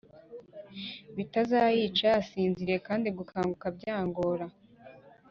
Bitazayica yasinziriye kandi gukanguka byangora